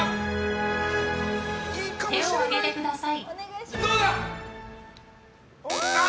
手を挙げてください。